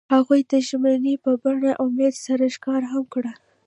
هغوی د ژمنې په بڼه امید سره ښکاره هم کړه.